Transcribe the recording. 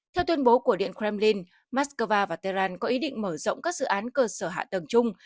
theo tuyên bố của điện kremlin moscow và tehran có ý định mở rộng các dự án cơ sở hạ tầng chung